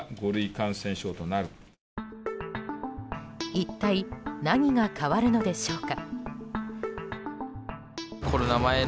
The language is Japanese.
一体何が変わるのでしょうか。